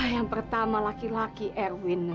yang pertama laki laki erwin